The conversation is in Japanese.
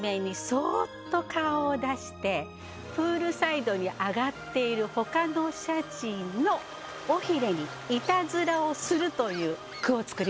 プールのプールサイドに上がっている他のシャチの尾ひれにいたずらをするという句を作りました。